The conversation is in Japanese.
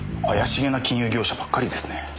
怪しげな金融業者ばっかりですね。